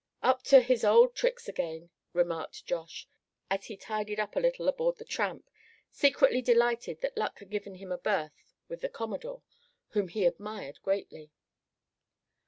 "Up to his old tricks again," remarked Josh, as he tidied up a little aboard the Tramp, secretly delighted that luck had given him a berth with the commodore, whom he admired greatly.